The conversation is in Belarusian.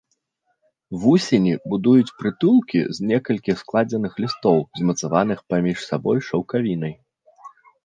Вусені будуюць прытулкі з некалькіх складзеных лістоў, змацаваных паміж сабой шаўкавінай.